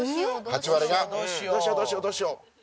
ハチワレがどうしようどうしようどうしよう。